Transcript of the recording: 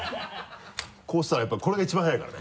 こうしたらやっぱこれが一番速いからね。